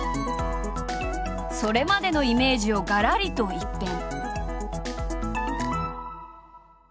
それまでのイメージをがらりと一変。